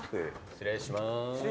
失礼します